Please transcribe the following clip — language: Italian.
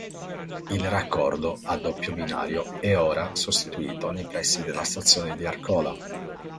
Il raccordo, a doppio binario, è ora situato nei pressi della stazione di Arcola.